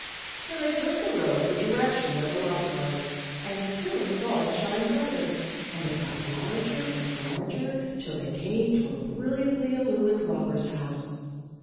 So they took the road in the direction where the light was, and soon saw it shine brighter; and it got larger and larger till they came to a brilliantly illumined robber's house.